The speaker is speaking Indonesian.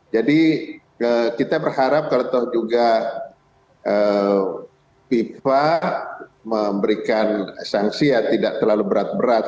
jadi kita berharap kalau tahu juga fifa memberikan sanksi tidak terlalu berat berat